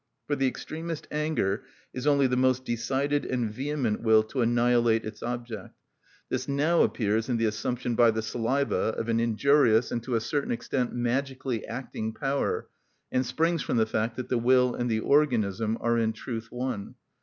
For the extremest anger is only the most decided and vehement will to annihilate its object; this now appears in the assumption by the saliva of an injurious, and to a certain extent magically acting, power, and springs from the fact that the will and the organism are in truth one.